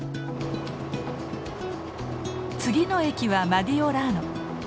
次の駅はマディオラーノ。